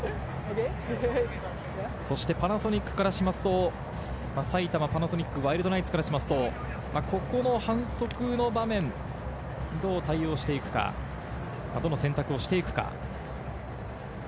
そしてパナソニックからしますと、埼玉パナソニックワイルドナイツからしますと、ここの反則の場面どう対応していくか、どの選択をしていくか。